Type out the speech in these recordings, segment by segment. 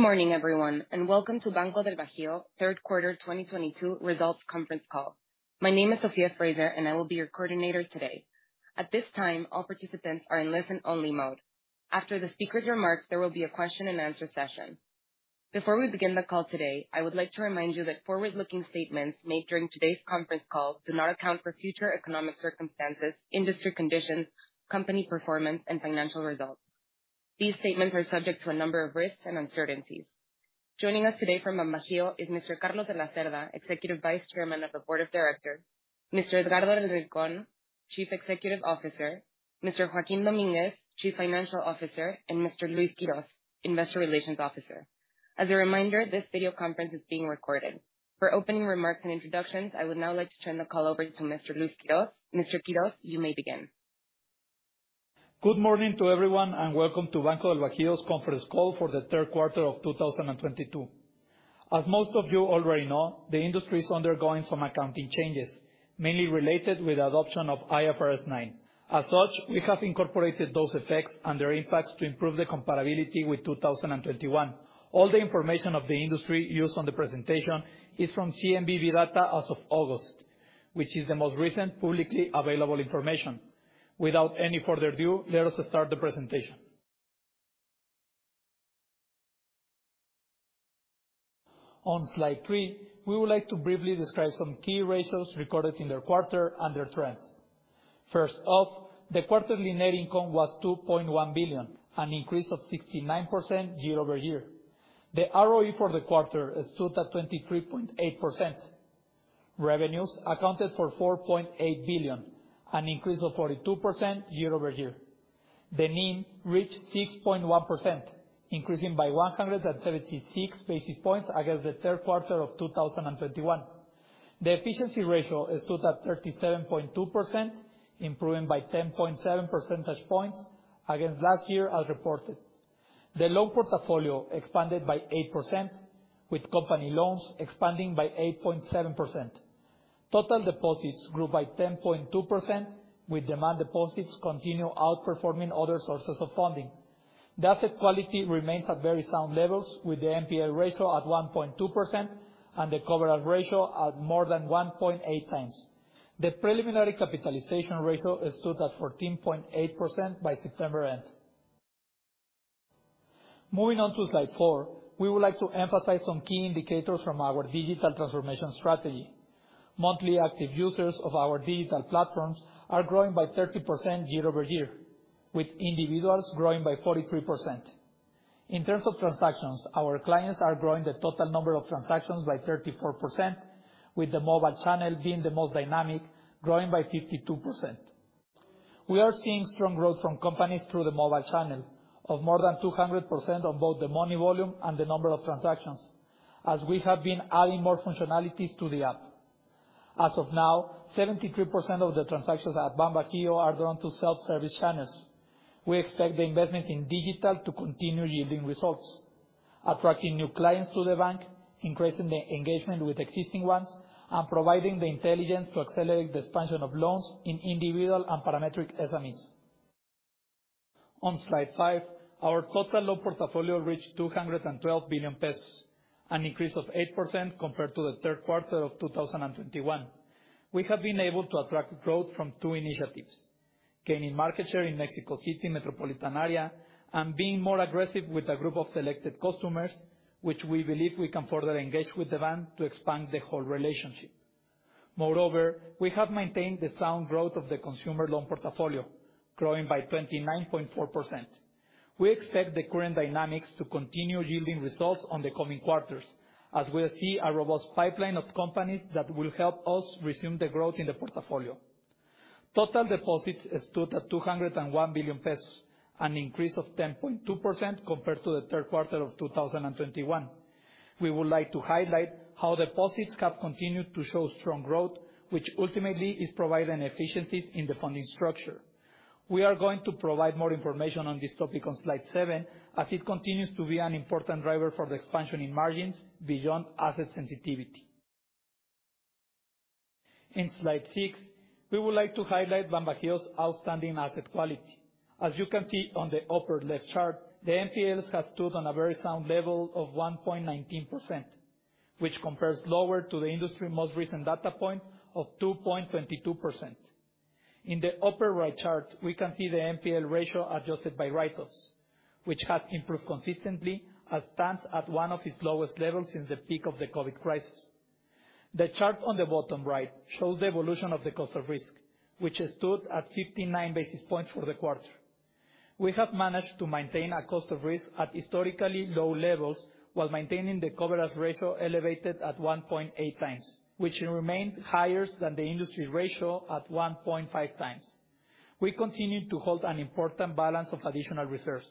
Good morning, everyone, and welcome to Banco del Bajío third quarter 2022 results conference call. My name is Sophia Fraser, and I will be your coordinator today. At this time, all participants are in listen only mode. After the speaker's remarks, there will be a question and answer session. Before we begin the call today, I would like to remind you that forward-looking statements made during today's conference call do not account for future economic circumstances, industry conditions, company performance, and financial results. These statements are subject to a number of risks and uncertainties. Joining us today from BanBajío is Mr. Carlos de la Cerda, Executive Vice Chairman of the Board of Directors, Mr. Edgardo del Rincón, Chief Executive Officer, Mr. Joaquín Domínguez, Chief Financial Officer, and Mr. Luis Quiroz, Investor Relations Officer. As a reminder, this video conference is being recorded. For opening remarks and introductions, I would now like to turn the call over to Mr. Luis Quiroz. Mr. Quiroz, you may begin. Good morning to everyone, and welcome to Banco del Bajío's conference call for the third quarter of 2022. As most of you already know, the industry is undergoing some accounting changes, mainly related with adoption of IFRS 9. As such, we have incorporated those effects and their impacts to improve the comparability with 2021. All the information of the industry used on the presentation is from CNBV data as of August, which is the most recent publicly available information. Without any further ado, let us start the presentation. On slide three, we would like to briefly describe some key ratios recorded in the quarter and their trends. First off, the quarterly net income was 2.1 billion, an increase of 69% year-over-year. The ROE for the quarter stood at 23.8%. Revenues accounted for 4.8 billion, an increase of 42% year-over-year. The NIM reached 6.1%, increasing by 176 basis points against the third quarter of 2021. The efficiency ratio stood at 37.2%, improving by 10.7 percentage points against last year as reported. The loan portfolio expanded by 8%, with company loans expanding by 8.7%. Total deposits grew by 10.2%, with demand deposits continue outperforming other sources of funding. The asset quality remains at very sound levels, with the NPA ratio at 1.2% and the coverage ratio at more than 1.8x. The preliminary capitalization ratio stood at 14.8% by September end. Moving on to slide four, we would like to emphasize some key indicators from our digital transformation strategy. Monthly active users of our digital platforms are growing by 30% year-over-year, with individuals growing by 43%. In terms of transactions, our clients are growing the total number of transactions by 34%, with the mobile channel being the most dynamic, growing by 52%. We are seeing strong growth from companies through the mobile channel of more than 200% on both the money volume and the number of transactions, as we have been adding more functionalities to the app. As of now, 73% of the transactions at BanBajío are done through self-service channels. We expect the investments in digital to continue yielding results, attracting new clients to the bank, increasing the engagement with existing ones, and providing the intelligence to accelerate the expansion of loans in individual and parametric SMEs. On slide five, our total loan portfolio reached 212 billion pesos, an increase of 8% compared to the third quarter of 2021. We have been able to attract growth from two initiatives, gaining market share in Mexico City metropolitan area and being more aggressive with a group of selected customers, which we believe we can further engage with the bank to expand the whole relationship. Moreover, we have maintained the sound growth of the consumer loan portfolio, growing by 29.4%. We expect the current dynamics to continue yielding results in the coming quarters as we see a robust pipeline of companies that will help us resume the growth in the portfolio. Total deposits stood at 201 billion pesos, an increase of 10.2% compared to the third quarter of 2021. We would like to highlight how deposits have continued to show strong growth, which ultimately is providing efficiencies in the funding structure. We are going to provide more information on this topic on slide seven, as it continues to be an important driver for the expansion in margins beyond asset sensitivity. In slide six, we would like to highlight BanBajío's outstanding asset quality. As you can see on the upper left chart, the NPLs have stood on a very sound level of 1.19%, which compares lower to the industry most recent data point of 2.22%. In the upper right chart, we can see the NPL ratio adjusted by write-offs, which has improved consistently and stands at one of its lowest levels since the peak of the COVID crisis. The chart on the bottom right shows the evolution of the cost of risk, which stood at 59 basis points for the quarter. We have managed to maintain our cost of risk at historically low levels while maintaining the coverage ratio elevated at 1.8x, which remains higher than the industry ratio at 1.5x. We continue to hold an important balance of additional reserves,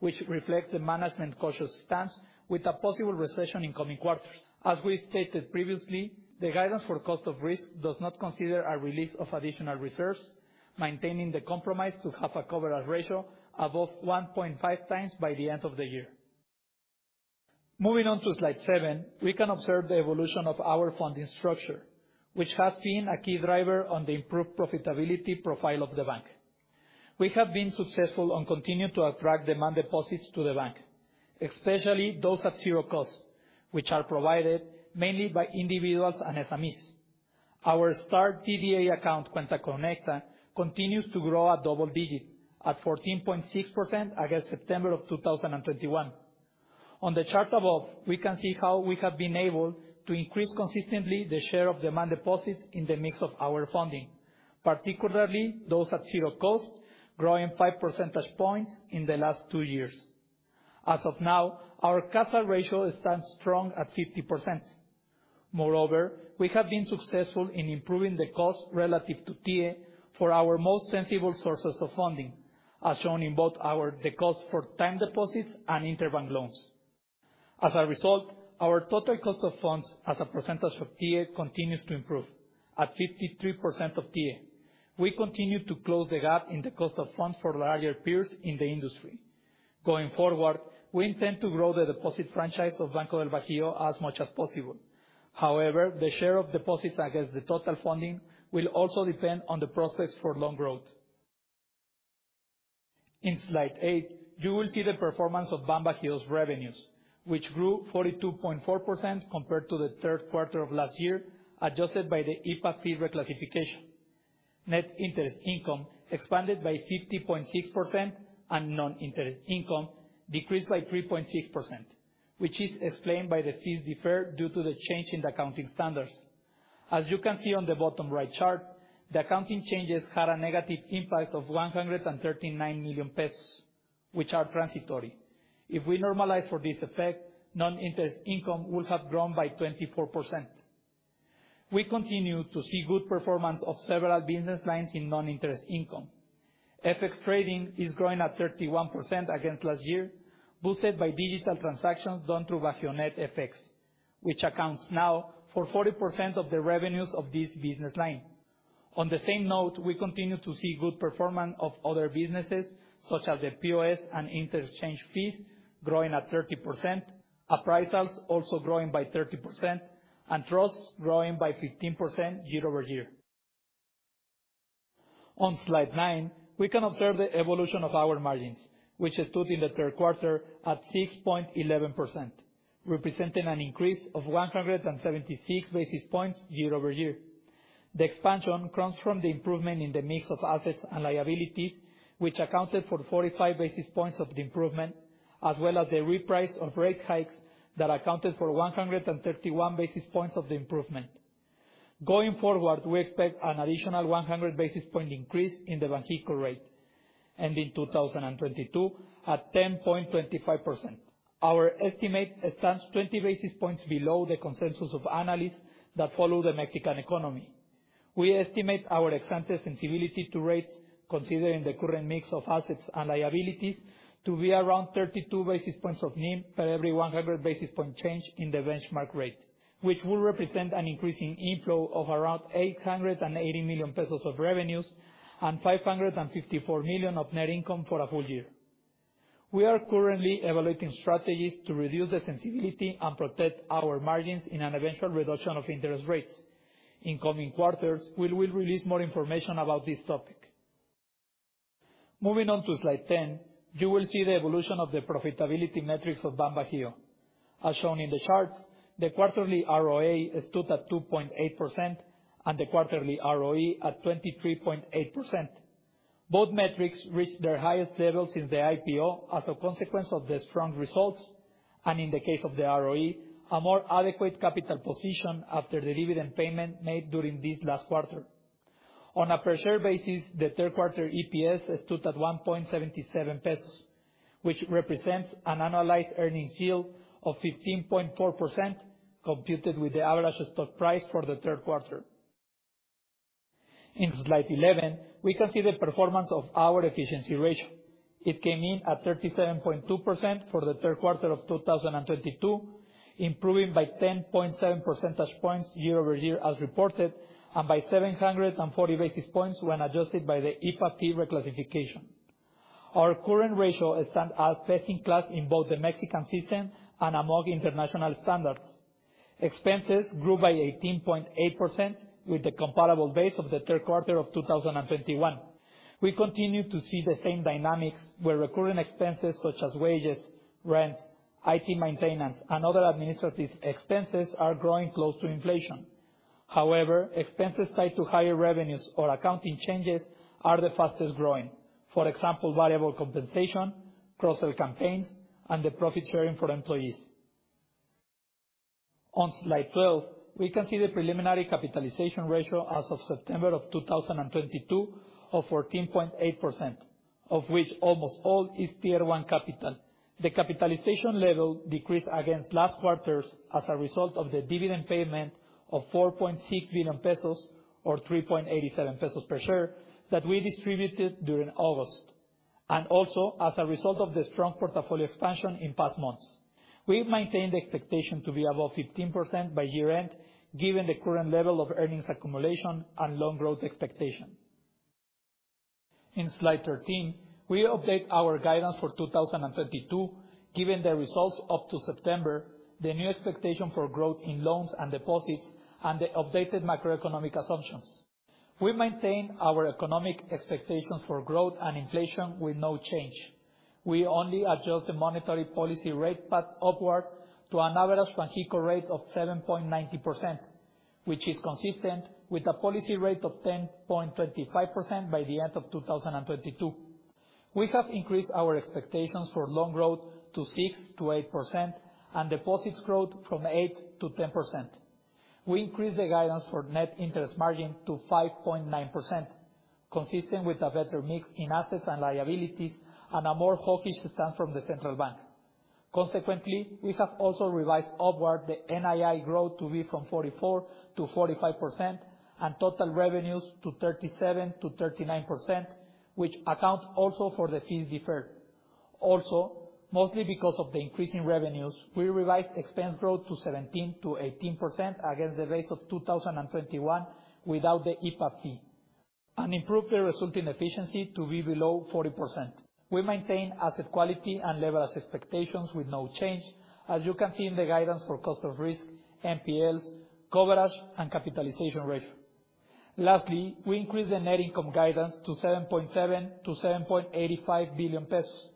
which reflects the management's cautious stance with a possible recession in coming quarters. As we stated previously, the guidance for cost of risk does not consider a release of additional reserves, maintaining the compromise to have a coverage ratio above 1.5x by the end of the year. Moving on to slide seven, we can observe the evolution of our funding structure, which has been a key driver of the improved profitability profile of the bank. We have been successful in continuing to attract demand deposits to the bank, especially those at zero cost, which are provided mainly by individuals and SMEs. Our Starter DDA account, Cuenta Conecta, continues to grow at double digit at 14.6% against September of 2021. On the chart above, we can see how we have been able to increase consistently the share of demand deposits in the mix of our funding, particularly those at zero cost, growing 5 percentage points in the last two years. As of now, our capital ratio stands strong at 50%. Moreover, we have been successful in improving the cost relative to TA for our most sensible sources of funding, as shown in the cost for time deposits and interbank loans. As a result, our total cost of funds as a percentage of TA continues to improve at 53% of TA. We continue to close the gap in the cost of funds for larger peers in the industry. Going forward, we intend to grow the deposit franchise of Banco del Bajío as much as possible. However, the share of deposits against the total funding will also depend on the process for loan growth. In slide eight, you will see the performance of BanBajío's revenues, which grew 42.4% compared to the third quarter of last year, adjusted by the IPAB fee reclassification. Net interest income expanded by 50.6%, and non-interest income decreased by 3.6%, which is explained by the fees deferred due to the change in accounting standards. As you can see on the bottom right chart, the accounting changes had a negative impact of 139 million pesos, which are transitory. If we normalize for this effect, non-interest income will have grown by 24%. We continue to see good performance of several business lines in non-interest income. FX trading is growing at 31% against last year, boosted by digital transactions done through BajioNet FX, which accounts now for 40% of the revenues of this business line. On the same note, we continue to see good performance of other businesses, such as the POS and interchange fees growing at 30%, appraisals also growing by 30%, and trusts growing by 15% year over year. On slide nine, we can observe the evolution of our margins, which stood in the third quarter at 6.11%, representing an increase of 176 basis points year over year. The expansion comes from the improvement in the mix of assets and liabilities, which accounted for 45 basis points of the improvement, as well as the reprice of rate hikes that accounted for 131 basis points of the improvement. Going forward, we expect an additional 100 basis point increase in the Banxico rate, ending 2022 at 10.25%. Our estimate stands 20 basis points below the consensus of analysts that follow the Mexican economy. We estimate our ex-ante sensitivity to rates considering the current mix of assets and liabilities to be around 32 basis points of NIM for every 100 basis point change in the benchmark rate, which will represent an increasing inflow of around 880 million pesos of revenues and 554 million of net income for a full year. We are currently evaluating strategies to reduce the sensitivity and protect our margins in an eventual reduction of interest rates. In coming quarters, we will release more information about this topic. Moving on to slide 10, you will see the evolution of the profitability metrics of BanBajío. As shown in the charts, the quarterly ROA stood at 2.8% and the quarterly ROE at 23.8%. Both metrics reached their highest levels since the IPO as a consequence of the strong results, and in the case of the ROE, a more adequate capital position after the dividend payment made during this last quarter. On a per share basis, the third quarter EPS stood at 1.77 pesos, which represents an annualized earnings yield of 15.4%, computed with the average stock price for the third quarter. In slide 11, we can see the performance of our efficiency ratio. It came in at 37.2% for the third quarter of 2022, improving by 10.7 percentage points year-over-year as reported, and by 740 basis points when adjusted by the IPAB fee reclassification. Our current ratio stands as best-in-class in both the Mexican system and among international standards. Expenses grew by 18.8% with the comparable base of the third quarter of 2021. We continue to see the same dynamics where recurring expenses, such as wages, rent, IT maintenance, and other administrative expenses are growing close to inflation. However, expenses tied to higher revenues or accounting changes are the fastest growing. For example, variable compensation, cross-sell campaigns, and the profit-sharing for employees. On slide twelve, we can see the preliminary capitalization ratio as of September 2022 of 14.8%, of which almost all is Tier 1 capital. The capitalization level decreased against last quarters as a result of the dividend payment of 4.6 billion pesos or 3.87 pesos per share that we distributed during August, and also as a result of the strong portfolio expansion in past months. We maintain the expectation to be above 15% by year-end, given the current level of earnings accumulation and loan growth expectation. In slide 13, we update our guidance for 2022, given the results up to September, the new expectation for growth in loans and deposits, and the updated macroeconomic assumptions. We maintain our economic expectations for growth and inflation with no change. We only adjust the monetary policy rate path upward to an average Banxico rate of 7.90%, which is consistent with a policy rate of 10.25% by the end of 2022. We have increased our expectations for loan growth to 6%-8% and deposits growth from 8%-10%. We increased the guidance for net interest margin to 5.9%, consistent with a better mix in assets and liabilities and a more hawkish stand from the central bank. Consequently, we have also revised upward the NII growth to be from 44%-45% and total revenues to 37%-39%, which accounts also for the fees deferred. Mostly because of the increase in revenues, we revised expense growth to 17%-18% against the base of 2021 without the IPAP fee, and improved the resulting efficiency to be below 40%. We maintain asset quality and leverage expectations with no change, as you can see in the guidance for cost of risk, NPLs, coverage, and capitalization ratio. Lastly, we increased the net income guidance to 7.7 billion-7.85 billion pesos,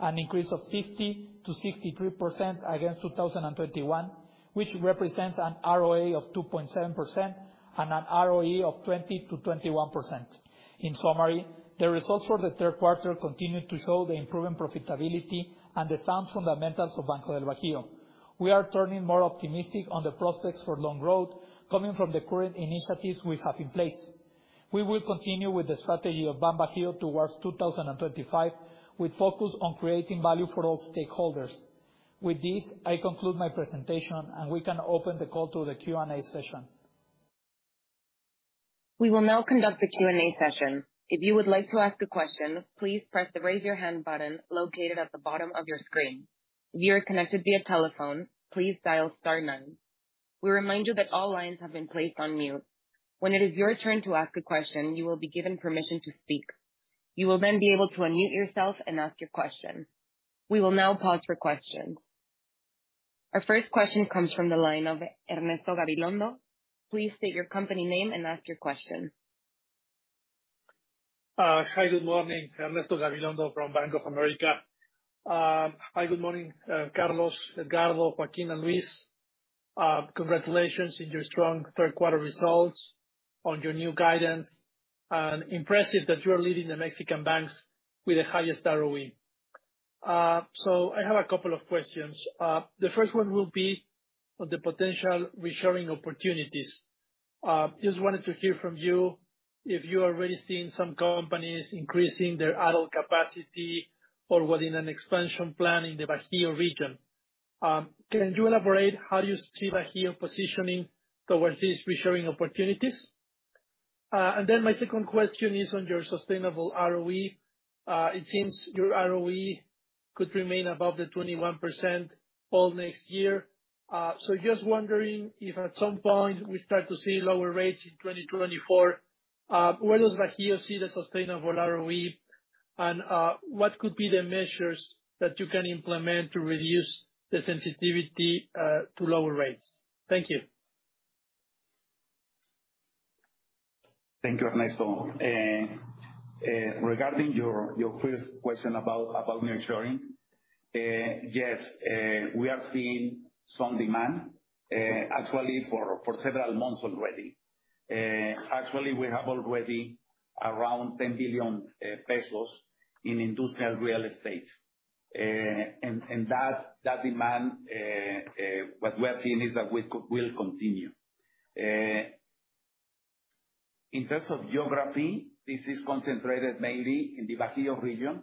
an increase of 50%-63% against 2021, which represents an ROA of 2.7% and an ROE of 20%-21%. In summary, the results for the third quarter continue to show the improving profitability and the sound fundamentals of Banco del Bajío. We are turning more optimistic on the prospects for loan growth coming from the current initiatives we have in place. We will continue with the strategy of BanBajío towards 2025, with focus on creating value for all stakeholders. With this, I conclude my presentation, and we can open the call to the Q&A session. We will now conduct the Q&A session. If you would like to ask a question, please press the Raise Your Hand button located at the bottom of your screen. If you are connected via telephone, please dial star nine. We remind you that all lines have been placed on mute. When it is your turn to ask a question, you will be given permission to speak. You will then be able to unmute yourself and ask your question. We will now pause for questions. Our first question comes from the line of Ernesto Gabilondo. Please state your company name and ask your question. Hi, good morning. Ernesto Gabilondo from Bank of America. Hi, good morning, Carlos, Edgardo, Joaquín, and Luis. Congratulations on your strong third quarter results, on your new guidance, and impressive that you are leading the Mexican banks with the highest ROE. I have a couple of questions. The first one will be on the potential reshoring opportunities. Just wanted to hear from you if you are already seeing some companies increasing their idle capacity or within an expansion plan in the Bajío region. Can you elaborate how you see Bajío positioning towards these reshoring opportunities? And then my second question is on your sustainable ROE. It seems your ROE could remain above the 21% all next year. Just wondering if at some point we start to see lower rates in 2024, where does BanBajío see the sustainable ROE, and what could be the measures that you can implement to reduce the sensitivity to lower rates? Thank you. Thank you, Ernesto. Regarding your first question about reshoring, yes, we are seeing strong demand, actually for several months already. Actually, we have already around 10 billion pesos in industrial real estate. And that demand, what we are seeing is that we will continue. In terms of geography, this is concentrated mainly in the Bajío region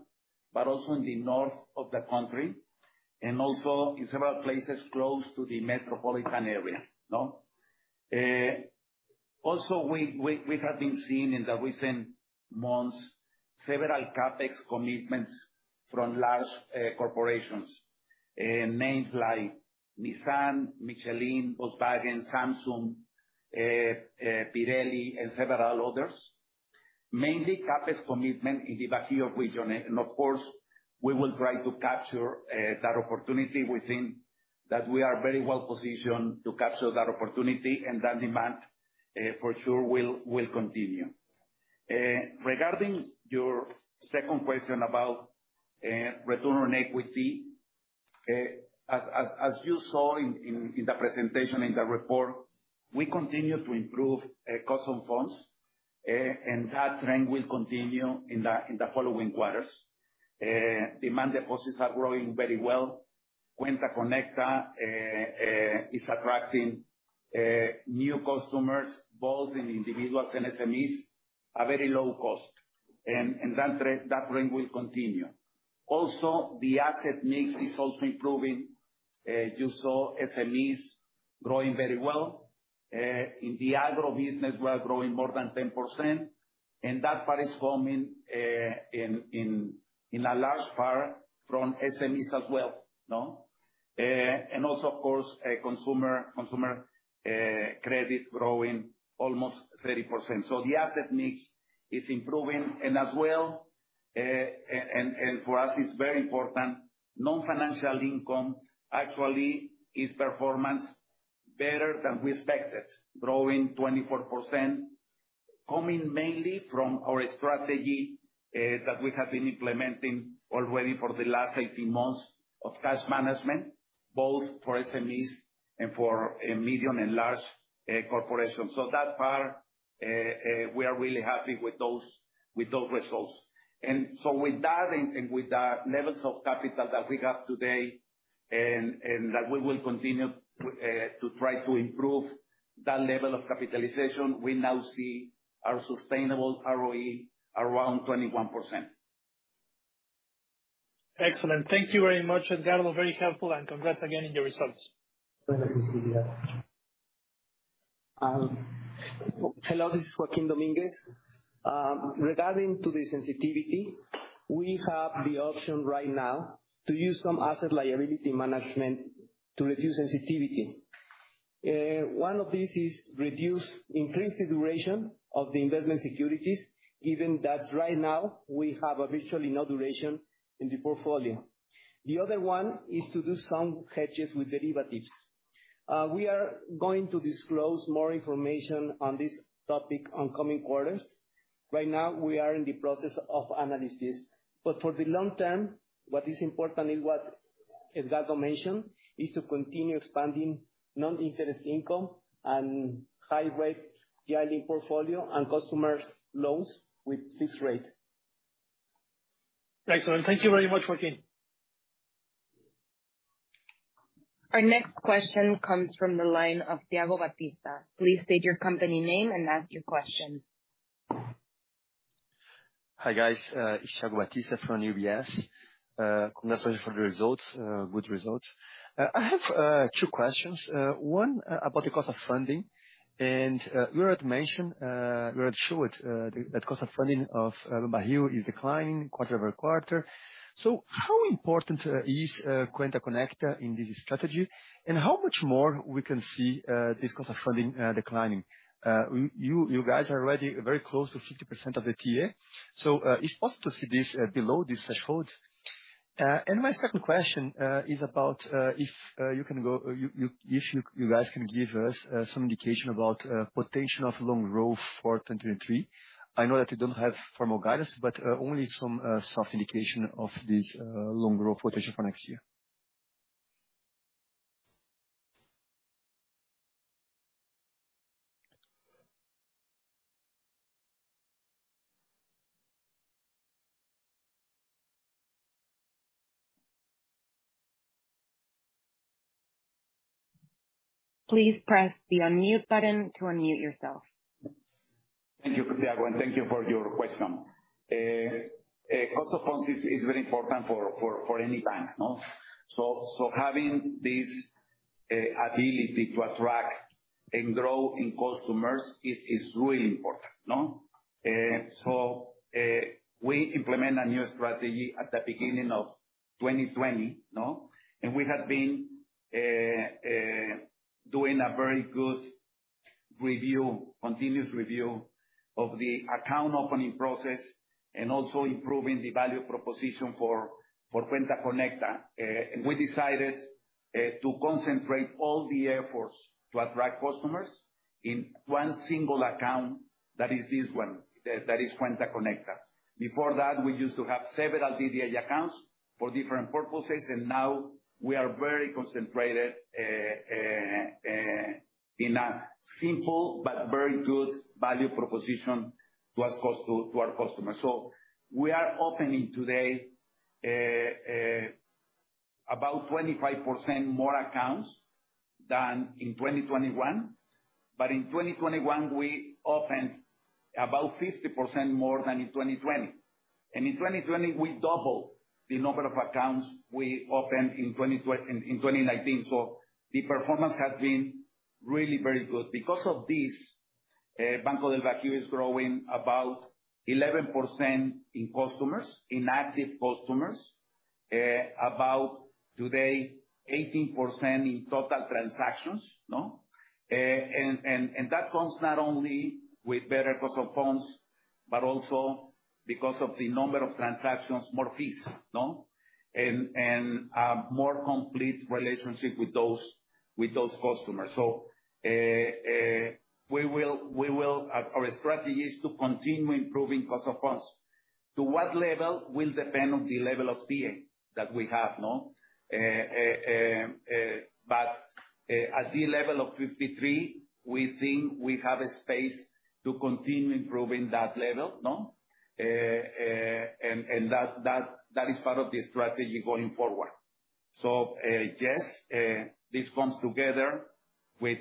but also in the north of the country, and also in several places close to the metropolitan area, no? Also we have been seeing in the recent months several CapEx commitments from large corporations, names like Nissan, Michelin, Volkswagen, Samsung, Pirelli, and several others. Mainly CapEx commitment in the Bajío region. Of course, we will try to capture that opportunity. We think that we are very well positioned to capture that opportunity, and that demand, for sure will continue. Regarding your second question about return on equity, as you saw in the presentation, in the report, we continue to improve cost of funds, and that trend will continue in the following quarters. Demand deposits are growing very well. Cuenta Conecta is attracting new customers, both in individuals and SMEs at very low cost. That trend will continue. Also, the asset mix is also improving. You saw SMEs growing very well. In the agribusiness, we are growing more than 10%, and that part is coming in a large part from SMEs as well, no? Also of course, consumer credit growing almost 30%. The asset mix is improving. As well, for us it's very important, non-financial income actually is performing better than we expected, growing 24%, coming mainly from our strategy that we have been implementing already for the last 18 months of cash management, both for SMEs and for a medium and large corporations. That part we are really happy with those results. With that levels of capital that we have today and that we will continue to try to improve that level of capitalization, we now see our sustainable ROE around 21%. Excellent. Thank you very much, Edgardo. Very helpful, and congrats again on your results. Hello, this is Joaquín Domínguez. Regarding to the sensitivity, we have the option right now to use some asset liability management to reduce sensitivity. One of these is to increase the duration of the investment securities, given that right now we have a virtually no duration in the portfolio. The other one is to do some hedges with derivatives. We are going to disclose more information on this topic on coming quarters. Right now we are in the process of analysis. For the long term, what is important is what Edgardo del Rincón mentioned, is to continue expanding non-interest income and high-rate yielding portfolio and customers loans with fixed rate. Excellent. Thank you very much, Joaquín. Our next question comes from the line of Thiago Batista. Please state your company name and ask your question. Hi, guys. It's Thiago Batista from UBS. Congratulations for the results, good results. I have two questions. One about the cost of funding. You had mentioned that the cost of funding of BanBajío is declining quarter-over-quarter. So how important is Cuenta Conecta in this strategy? And how much more we can see this cost of funding declining? You guys are already very close to 50% of the TIIE. So it's possible to see this below this threshold? My second question is about if you guys can give us some indication about potential of loan growth for 2023? I know that you don't have formal guidance, but only some soft indication of the loan growth potential for next year. Please press the unmute button to unmute yourself. Thank you, Thiago, and thank you for your questions. Cost of funds is very important for any bank, no? Having this ability to attract and grow in customers is really important, no? We implement a new strategy at the beginning of 2020, no? We have been doing a very good review, continuous review of the account opening process and also improving the value proposition for Cuenta Conecta. We decided to concentrate all the efforts to attract customers in one single account, that is this one, that is Cuenta Conecta's. Before that, we used to have several DDA accounts for different purposes, and now we are very concentrated in a simple but very good value proposition to our customers. We are opening today about 25% more accounts than in 2021, but in 2021 we opened about 50% more than in 2020. In 2020 we doubled the number of accounts we opened in 2019. The performance has been really very good. Because of this, Banco del Bajío is growing about 11% in customers, in active customers. About today, 18% in total transactions, no? That comes not only with better cost of funds, but also because of the number of transactions, more fees, no? More complete relationship with those customers. Our strategy is to continue improving cost of funds. To what level will depend on the level of TIIE that we have, no? At the level of 53, we think we have a space to continue improving that level, no? That is part of the strategy going forward. This comes together with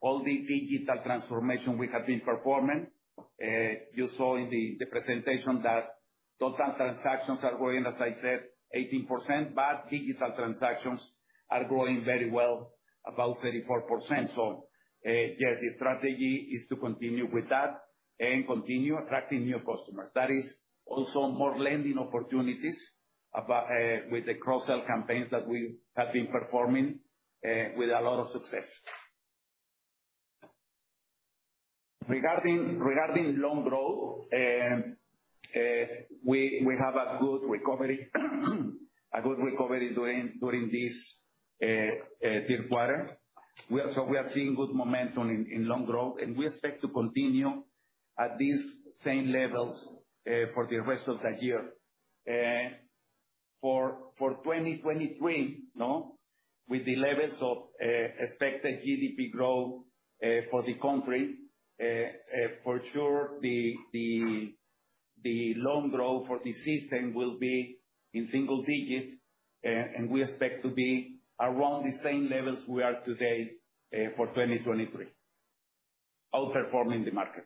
all the digital transformation we have been performing. You saw in the presentation that total transactions are growing, as I said, 18%. Digital transactions are growing very well, about 34%. The strategy is to continue with that and continue attracting new customers. That is also more lending opportunities with the cross-sell campaigns that we have been performing, with a lot of success. Regarding loan growth, we have a good recovery during this third quarter. We are seeing good momentum in loan growth, and we expect to continue at these same levels for the rest of the year. For 2023, no? With the levels of expected GDP growth for the country, for sure, the loan growth for the system will be in single digits. We expect to be around the same levels we are today for 2023, outperforming the market.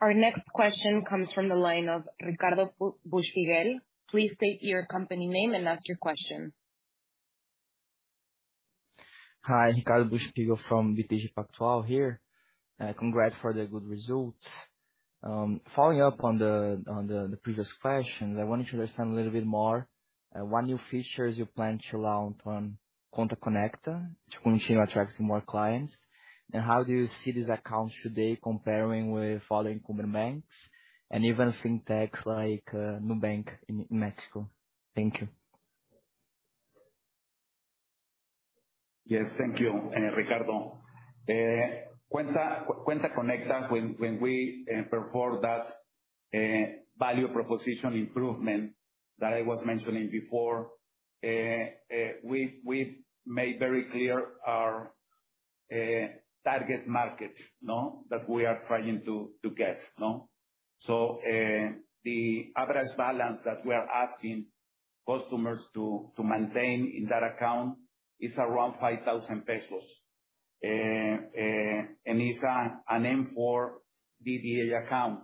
Our next question comes from the line of Ricardo Buchpiguel. Please state your company name and ask your question. Hi. Ricardo Buchpiguel from BTG Pactual here. Congrats for the good results. Following up on the previous questions, I wanted to understand a little bit more what new features you plan to launch on Cuenta Conecta to continue attracting more clients? How do you see these accounts today comparing with other incumbent banks and even FinTechs like Nubank in Mexico? Thank you. Yes. Thank you, Ricardo. Cuenta Conecta, when we perform that value proposition improvement that I was mentioning before, we made very clear our target market, no? That we are trying to get, no? The average balance that we are asking customers to maintain in that account is around 5,000 pesos. It's a Nivel 4 DDA account.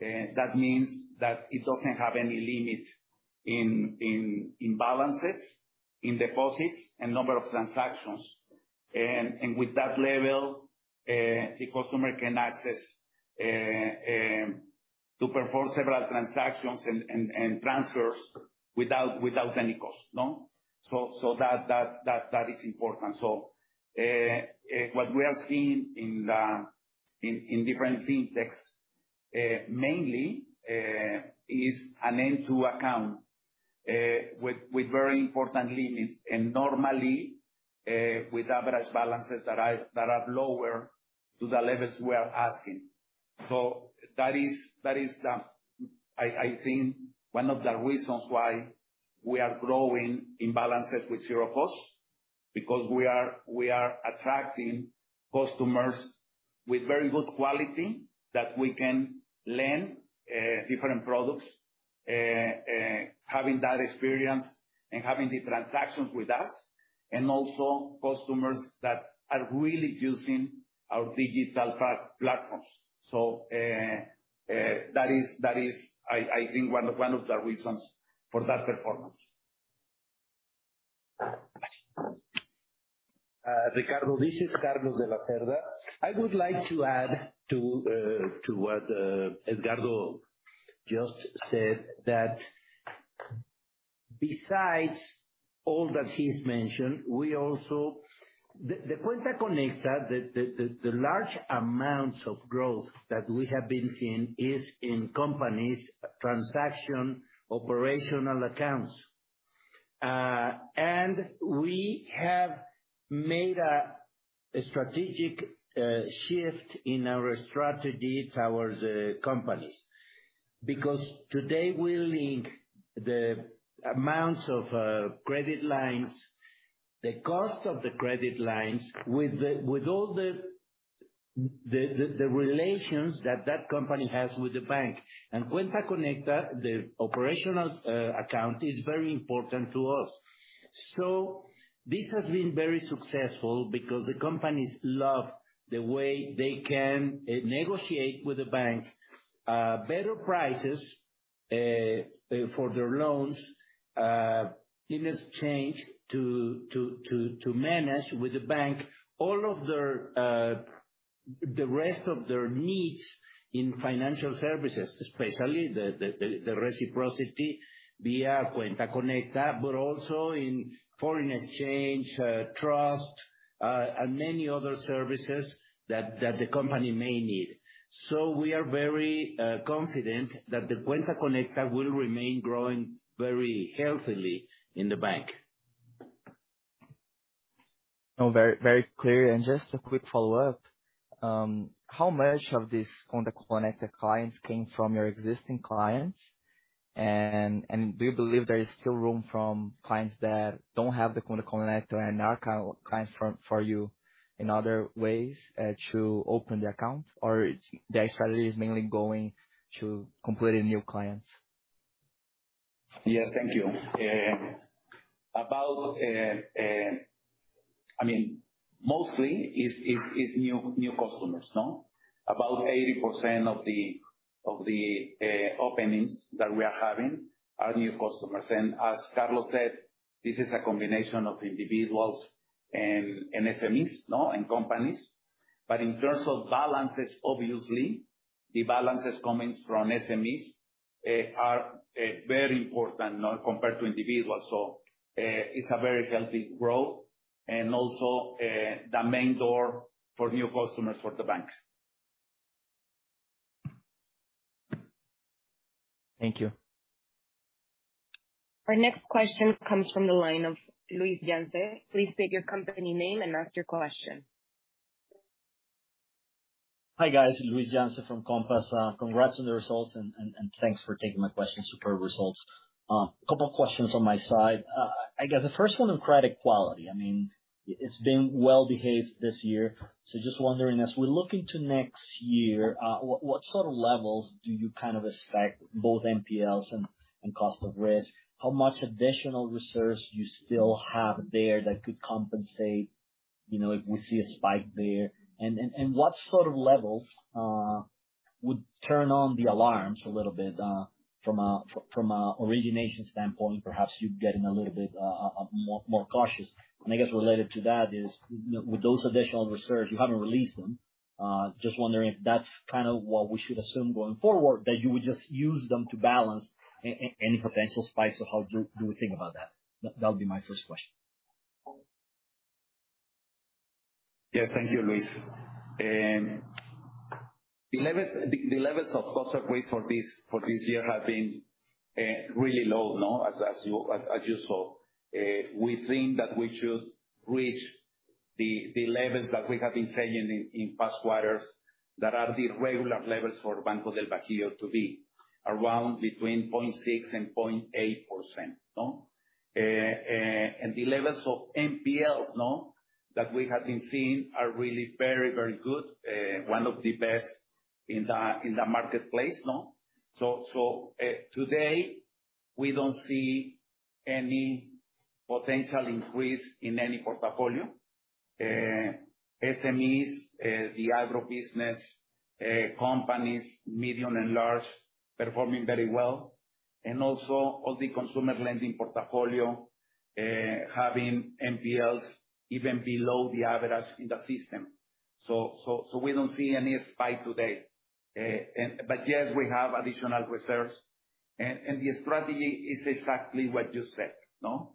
That means that it doesn't have any limit in balances, in deposits and number of transactions. With that level, the customer can access to perform several transactions and transfers without any cost, no? That is important. What we are seeing in different FinTechs mainly is an end-to-end account with very important limits and normally with average balances that are lower than the levels we are asking. That is, I think, one of the reasons why we are growing in balances with zero cost, because we are attracting customers with very good quality that we can lend different products, having that experience and having the transactions with us, and also customers that are really using our digital platforms. That is, I think, one of the reasons for that performance. Ricardo, this is Carlos de la Cerda. I would like to add to what Edgardo just said, that besides all that he's mentioned, we also the Cuenta Conecta, the large amounts of growth that we have been seeing is in companies' transaction operational accounts. We have made a strategic shift in our strategy towards companies. Because today we link the amounts of credit lines, the cost of the credit lines with all the relations that that company has with the bank. Cuenta Conecta, the operational account, is very important to us. This has been very successful because the companies love the way they can negotiate with the bank better prices for their loans in exchange to manage with the bank all of their the rest of their needs in financial services, especially the reciprocity via Cuenta Conecta, but also in foreign exchange, trust, and many other services that the company may need. We are very confident that the Cuenta Conecta will remain growing very healthily in the bank. No, very, very clear. Just a quick follow-up. How much of these Cuenta Conecta clients came from your existing clients? Do you believe there is still room for clients that don't have the Cuenta Conecta and are current clients for you in other ways to open the account? Or the strategy is mainly going to completely new clients? Yes. Thank you. I mean, mostly is new customers, no? About 80% of the openings that we are having are new customers. As Carlos said, this is a combination of individuals and SMEs, no? And companies. In terms of balances, obviously, the balances coming from SMEs are very important now compared to individuals. It's a very healthy growth and also the main door for new customers for the bank. Thank you. Our next question comes from the line of Luis Yance. Please state your company name and ask your question. Hi, guys. Luis Yance from Compass Group. Congrats on the results and thanks for taking my questions. Superb results. Couple questions on my side. I guess the first one on credit quality. I mean, it's been well behaved this year, so just wondering, as we look into next year, what sort of levels do you kind of expect, both NPLs and cost of risk? How much additional reserves do you still have there that could compensate, you know, if we see a spike there? And what sort of levels would turn on the alarms a little bit, from a origination standpoint, perhaps you getting a little bit more cautious? I guess related to that is with those additional reserves, you haven't released them, just wondering if that's kind of what we should assume going forward, that you would just use them to balance any potential spikes, or how do you think about that? That'll be my first question. Yeah. Thank you, Luis. The levels of cost of risk for this year have been really low, as you saw. We think that we should reach the levels that we have been saying in past quarters, that are the regular levels for Banco del Bajío to be around between 0.6% and 0.8%. The levels of NPLs that we have been seeing are really very good. One of the best in the marketplace. Today, we don't see any potential increase in any portfolio. SMEs, the agribusiness, companies, medium and large, performing very well. And also all the consumer lending portfolio having NPLs even below the average in the system. We don't see any spike today. Yes, we have additional reserves. The strategy is exactly what you said, no?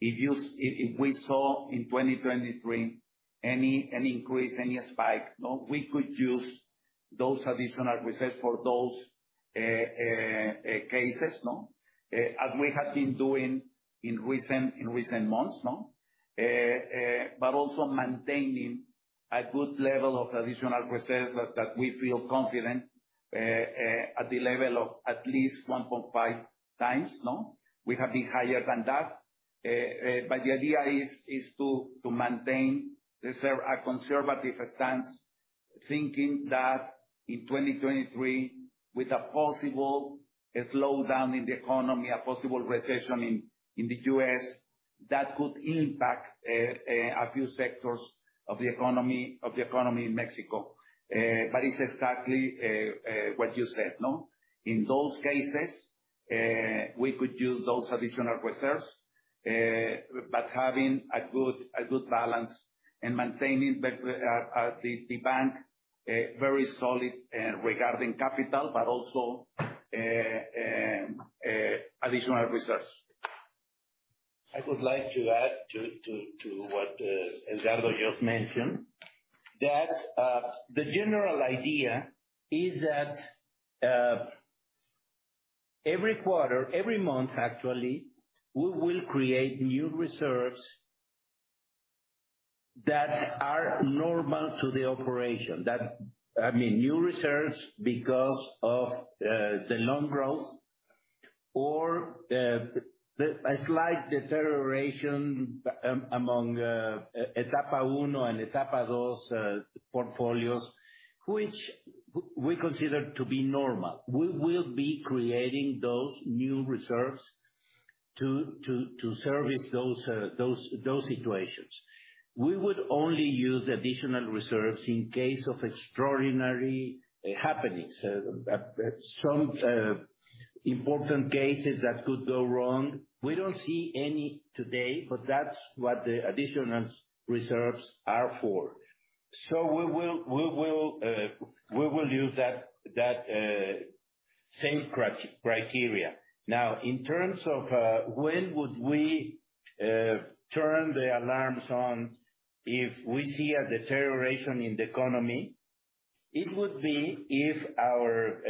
If we saw in 2023 any increase, any spike, we could use those additional reserves for those cases, no? As we have been doing in recent months, no? But also maintaining a good level of additional reserves that we feel confident at the level of at least 1.5x, no? We have been higher than that. The idea is to maintain reserve at conservative stance, thinking that in 2023, with a possible slowdown in the economy, a possible recession in the U.S., that could impact a few sectors of the economy in Mexico. It's exactly what you said, no? In those cases, we could use those additional reserves, but having a good balance and maintaining the bank very solid regarding capital, but also additional reserves. I would like to add to what Edgardo just mentioned, that the general idea is that every quarter, every month actually, we will create new reserves that are normal to the operation. I mean, new reserves because of the loan growth or a slight deterioration among Etapa 1 and Etapa 2 portfolios, which we consider to be normal. We will be creating those new reserves to service those situations. We would only use additional reserves in case of extraordinary happenings, some important cases that could go wrong. We don't see any today, but that's what the additional reserves are for. We will use that same criteria. Now, in terms of when would we turn the alarms on if we see a deterioration in the economy, it would be if our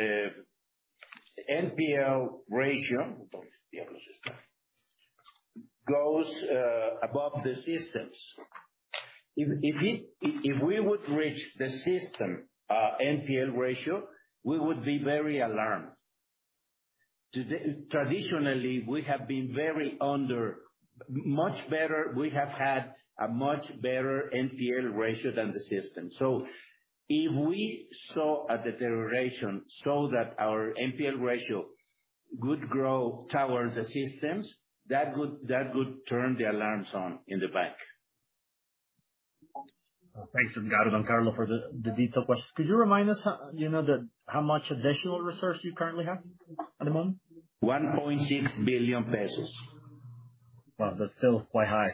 NPL ratio goes above the system's. If we would reach the system's NPL ratio, we would be very alarmed. Traditionally, much better, we have had a much better NPL ratio than the system. If we saw a deterioration so that our NPL ratio would grow towards the system's, that would turn the alarms on in the bank. Thanks, Edgardo and Carlos for the detailed [questions]. Could you remind us how, you know, how much additional reserves you currently have at the moment? 1.6 billion pesos. Well, that's still quite high.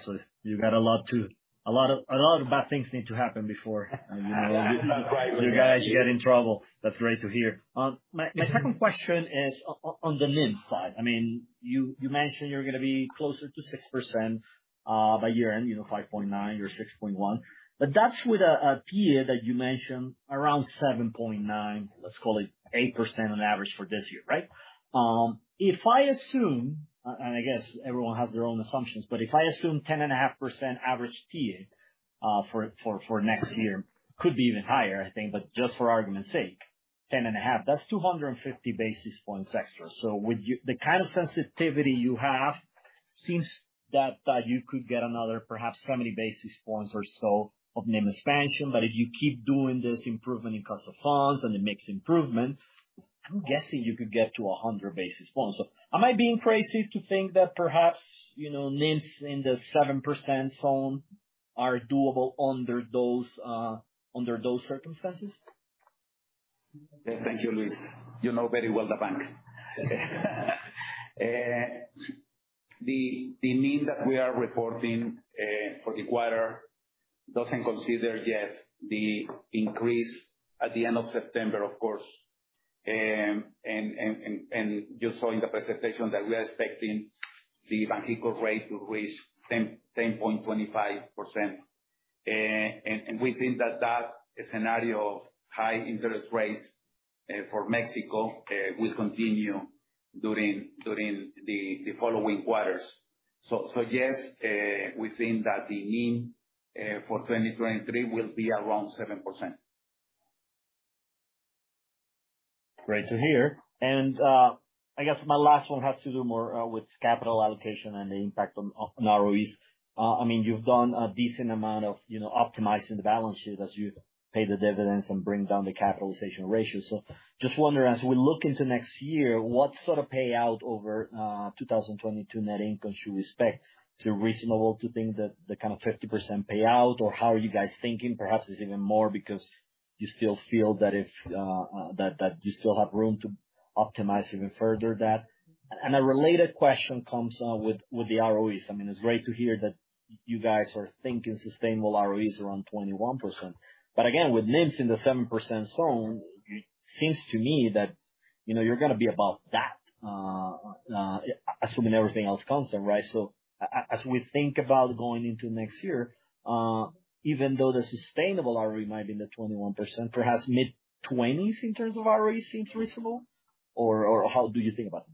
A lot of bad things need to happen before you guys get in trouble. That's great to hear. My second question is on the NIM side. I mean, you mentioned you're gonna be closer to 6% by year-end, you know, 5.9% or 6.1%. That's with a TIIE that you mentioned around 7.9%, let's call it 8% on average for this year, right? If I assume, and I guess everyone has their own assumptions, but if I assume 10.5% average TIIE for next year, could be even higher, I think, but just for argument's sake, 10.5%, that's 250 basis points extra. With the kind of sensitivity you have, it seems that you could get another perhaps 70 basis points or so of NIM expansion. If you keep doing this improvement in cost of funds and the mix improvements, I'm guessing you could get to 100 basis points. Am I being crazy to think that perhaps, you know, NIMs in the 7% zone are doable under those circumstances? Thank you, Luis. You know very well the bank. The NIM that we are reporting for the quarter doesn't consider yet the increase at the end of September, of course. You saw in the presentation that we are expecting the Banxico rate to reach 10.25%. We think that scenario of high interest rates for Mexico will continue during the following quarters. Yes, we think that the NIM for 2023 will be around 7%. Great to hear. I guess my last one has to do more with capital allocation and the impact on ROEs. I mean, you've done a decent amount of, you know, optimizing the balance sheet as you pay the dividends and bring down the capitalization ratio. So just wondering, as we look into next year, what sort of payout over 2022 net income should we expect? Is it reasonable to think that the kind of 50% payout, or how are you guys thinking? Perhaps it's even more because you still feel that you still have room to optimize even further that. A related question comes with the ROEs. I mean, it's great to hear that you guys are thinking sustainable ROEs around 21%. Again, with NIMs in the 7% zone, it seems to me that, you know, you're gonna be above that, assuming everything else constant, right? As we think about going into next year, even though the sustainable ROE might be in the 21%, perhaps mid-20s in terms of ROE seems reasonable? Or how do you think about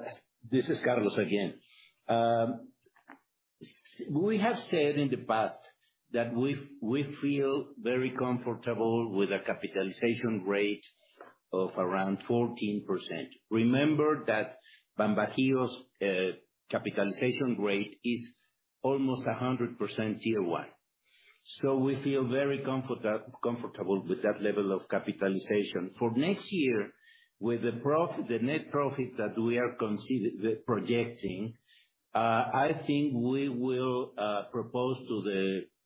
it? This is Carlos again. We have said in the past that we feel very comfortable with a capitalization rate of around 14%. Remember that BanBajío's capitalization rate is almost 100% Tier 1. We feel very comfortable with that level of capitalization. For next year, with the net profit that we are projecting, I think we will propose to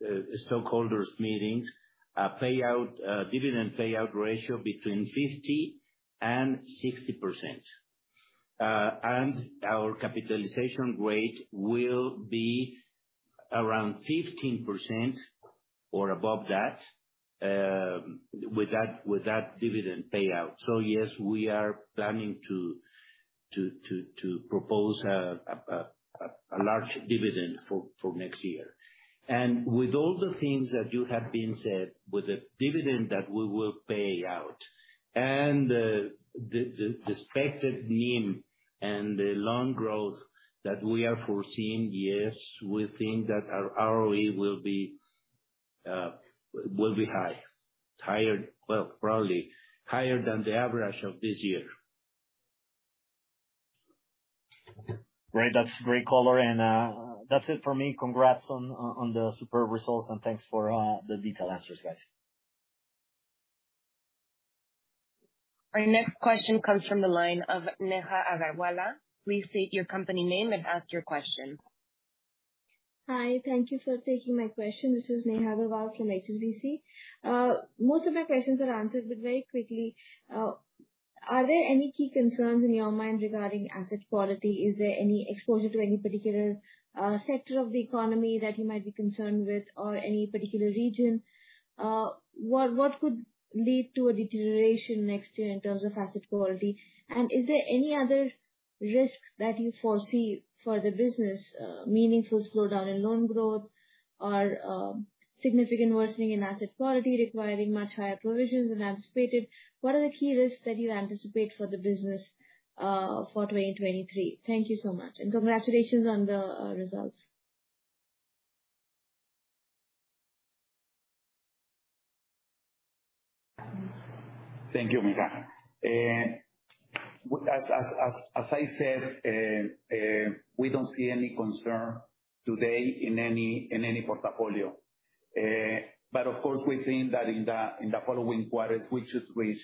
the shareholders meeting a dividend payout ratio between 50% and 60%. Our capitalization rate will be around 15% or above that with that dividend payout. Yes, we are planning to propose a large dividend for next year. With all the things that have been said, with the dividend that we will pay out and the expected NIM and the loan growth that we are foreseeing, yes, we think that our ROE will be high. Higher, well, probably higher than the average of this year. Great. That's great color. That's it from me. Congrats on the superb results, and thanks for the detailed answers, guys. Our next question comes from the line of Neha Agarwala. Please state your company name and ask your question. Hi. Thank you for taking my question. This is Neha Agarwala from HSBC. Most of my questions are answered, but very quickly, are there any key concerns in your mind regarding asset quality? Is there any exposure to any particular sector of the economy that you might be concerned with or any particular region? What could lead to a deterioration next year in terms of asset quality? Is there any other risks that you foresee for the business, meaningful slowdown in loan growth or significant worsening in asset quality requiring much higher provisions than anticipated? What are the key risks that you anticipate for the business for 2023? Thank you so much, and congratulations on the results. Thank you, Neha. As I said, we don't see any concern today in any portfolio. Of course, we're seeing that in the following quarters, we should reach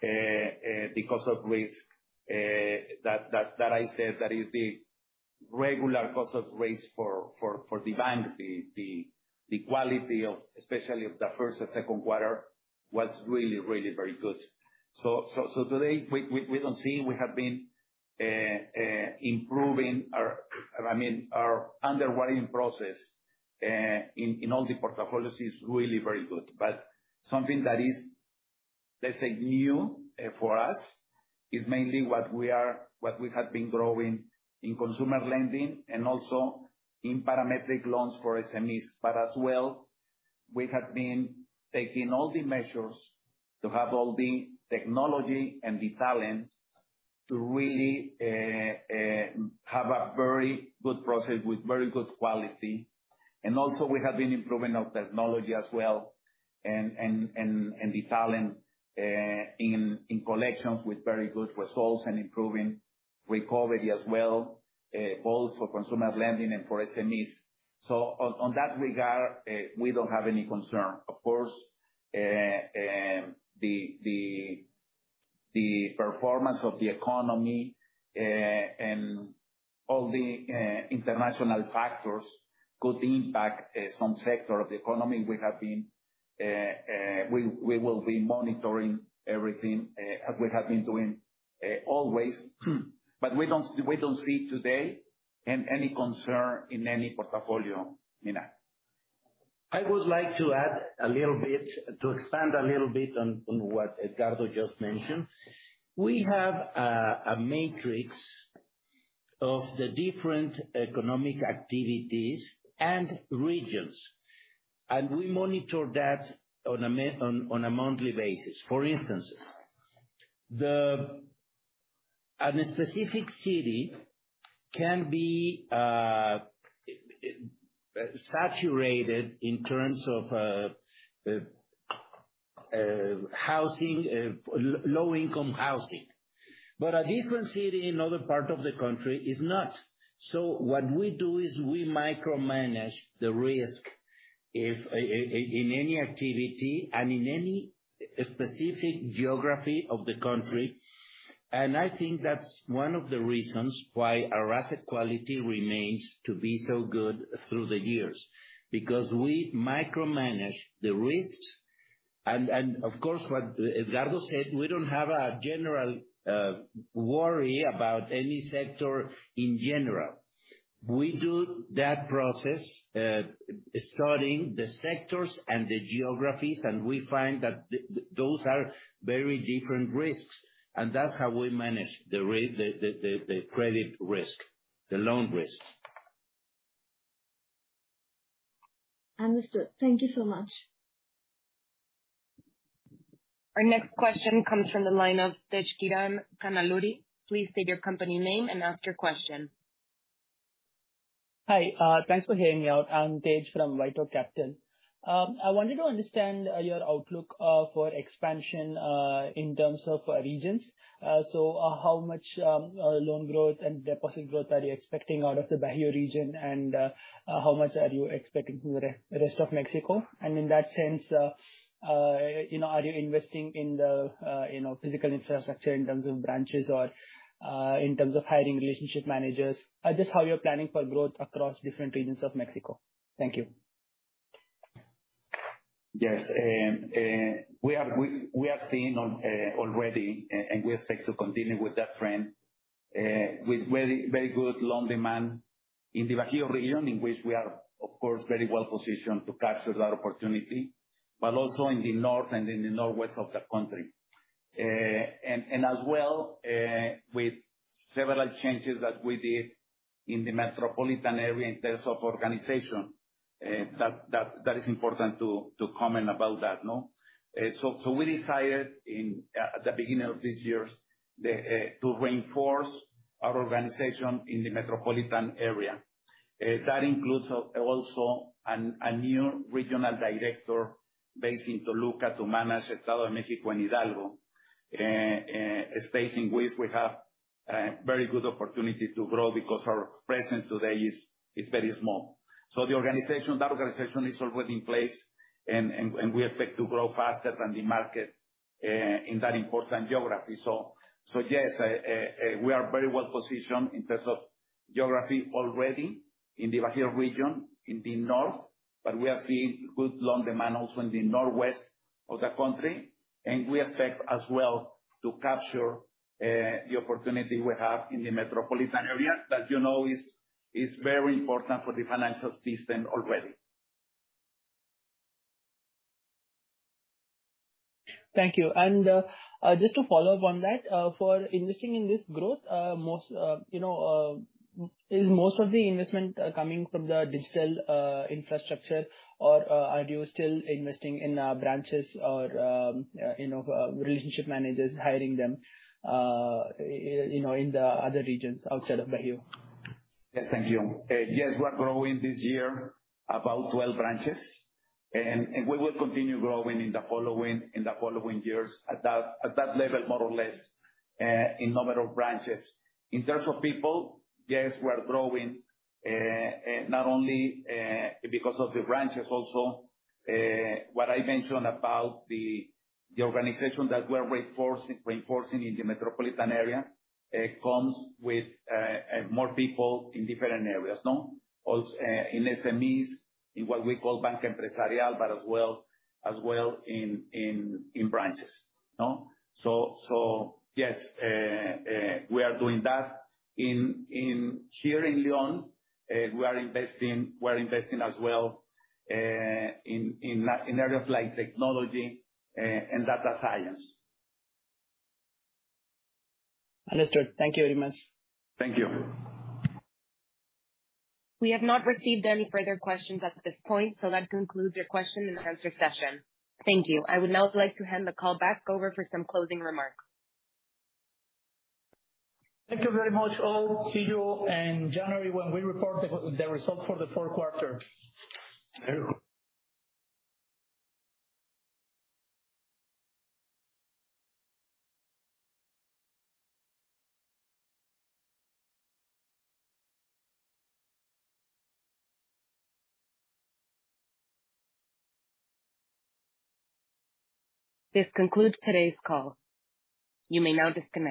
the cost of risk that I said, that is the regular cost of risk for the bank. The quality, especially of the first or second quarter, was really very good. Today we don't see. We have been improving our, I mean, our underwriting process in all the portfolios, is really very good. Something that is, let's say, new for us, is mainly what we have been growing in consumer lending and also in parametric loans for SMEs. As well, we have been taking all the measures to have all the technology and the talent to really have a very good process with very good quality. And also we have been improving our technology as well and the talent in collections with very good results and improving recovery as well both for consumer lending and for SMEs. On that regard, we don't have any concern. Of course, the performance of the economy and all the international factors could impact some sector of the economy. We will be monitoring everything as we have been doing always. We don't see today any concern in any portfolio, Neha. I would like to add a little bit, to expand a little bit on what Edgardo just mentioned. We have a matrix of the different economic activities and regions, and we monitor that on a monthly basis. For instance, a specific city can be saturated in terms of low-income housing. A different city in other part of the country is not. What we do is we micromanage the risk in any activity and in any specific geography of the country. I think that's one of the reasons why our asset quality remains to be so good through the years, because we micromanage the risks. Of course, what Edgardo said, we don't have a general worry about any sector in general. We do that process, studying the sectors and the geographies, and we find that those are very different risks. That's how we manage the credit risk, the loan risk. Understood. Thank you so much. Our next question comes from the line of Tejkiran Kannaluri. Please state your company name and ask your question. Hi, thanks for hearing me out. I'm Tej from WhiteOak Capital. I wanted to understand your outlook for expansion in terms of regions. So how much loan growth and deposit growth are you expecting out of the Bajío region, and how much are you expecting from the rest of Mexico? In that sense, you know, are you investing in the you know, physical infrastructure in terms of branches or in terms of hiring relationship managers? Just how you're planning for growth across different regions of Mexico? Thank you. Yes. We have seen already, and we expect to continue with that trend, with very good loan demand in the Bajío region, in which we are, of course, very well positioned to capture that opportunity, but also in the north and in the northwest of the country. With several changes that we did in the metropolitan area in terms of organization, that is important to comment about that, no? We decided at the beginning of this year to reinforce our organization in the metropolitan area. That includes also a new regional director based in Toluca to manage Estado de México and Hidalgo, spaces in which we have very good opportunity to grow because our presence today is very small. The organization is already in place and we expect to grow faster than the market in that important geography. Yes, we are very well positioned in terms of geography already in the Bajío region, in the north, but we are seeing good loan demand also in the northwest of the country, and we expect as well to capture the opportunity we have in the metropolitan area that you know is very important for the financial system already. Thank you. Just to follow up on that, for investing in this growth, is most of the investment coming from the digital infrastructure? Or, are you still investing in branches or, you know, relationship managers, hiring them, you know, in the other regions outside of Bajío? Yes. Thank you. Yes, we are growing this year about 12 branches, and we will continue growing in the following years at that level, more or less, in number of branches. In terms of people, yes, we are growing, not only because of the branches, also, what I mentioned about the organization that we're reinforcing in the metropolitan area comes with more people in different areas, no? Also, in SMEs, in what we call Banca Empresarial, but as well in branches, no? Yes, we are doing that. In here in León, we are investing as well in areas like technology and data science. Understood. Thank you very much. Thank you. We have not received any further questions at this point, so that concludes your question and answer session. Thank you. I would now like to hand the call back over for some closing remarks. Thank you very much all. See you in January when we report the results for the fourth quarter. This concludes today's call. You may now disconnect.